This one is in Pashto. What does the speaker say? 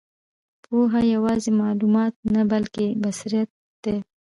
پوهه یوازې معلومات نه، بلکې بصیرت دی.